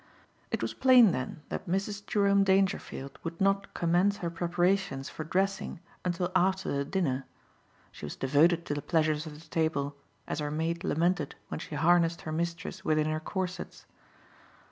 It was plain then that Mrs. Jerome Dangerfield would not commence her preparations for dressing until after the dinner. She was devoted to the pleasures of the table, as her maid lamented when she harnessed her mistress within her corsets.